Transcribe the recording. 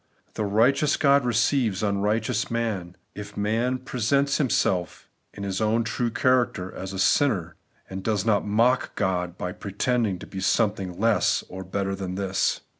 The righteous God receives imrighteous man, if man pre sents himself in his own true character as a sinner, and does not mock Gk)d by pretending to be some thing less or better than this.